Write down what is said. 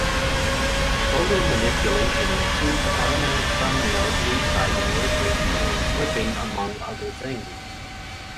Photo manipulation includes automatic thumbnails, resizing, rotation, and flipping, among other things.